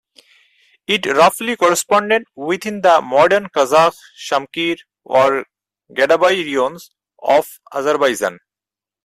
It roughly corresponded within the modern Qazakh, Shamkir or Gadabay raions of Azerbaijan.